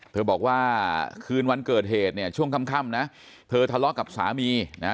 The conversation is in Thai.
เธอบอกว่าคืนวันเกิดเหตุเนี่ยช่วงค่ำนะเธอทะเลาะกับสามีนะ